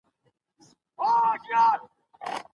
تاسي وارخطا سواست.